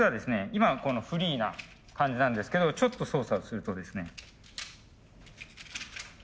今このフリーな感じなんですけどちょっと操作をするとですね。